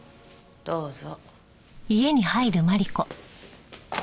どうぞ。